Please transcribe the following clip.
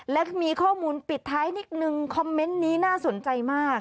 และมีข้อมูลปิดท้ายนิดนึงคอมเมนต์นี้น่าสนใจมาก